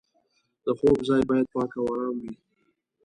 د خوب ځای باید پاک او ارام وي.